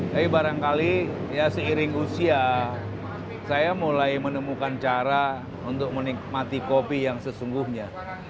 tapi barangkali ya seiring usia saya mulai menemukan cara untuk menikmati kopi yang sesungguhnya